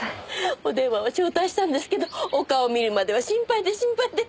お電話を頂戴したんですけどお顔を見るまでは心配で心配で。